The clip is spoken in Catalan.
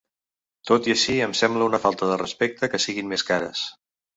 Tot i així em sembla una falta de respecte que siguin més cares.